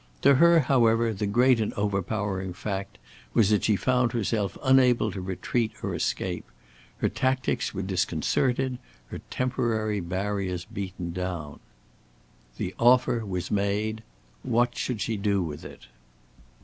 To her, however, the great and overpowering fact was that she found herself unable to retreat or escape; her tactics were disconcerted, her temporary barriers beaten down. The offer was made. What should she do with it?